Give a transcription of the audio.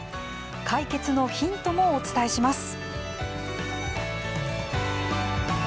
解決のヒントもお伝えします。